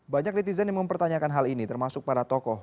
banyak netizen yang mempertanyakan hal ini termasuk para tokoh